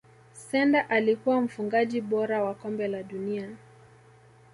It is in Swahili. sendor alikuwa mfungaji bora wa kombe la dunia